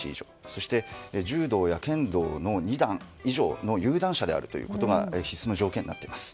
そして柔道や県道の２段以上の有段者であることが必須の条件になっています。